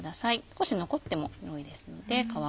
少し残っても良いですので皮が。